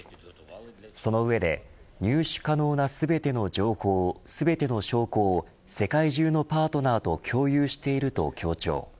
その上で、入手可能な全ての情報全ての証拠を世界中のパートナーと共有していると強調。